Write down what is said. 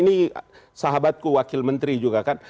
ini sahabatku wakil menteri juga kan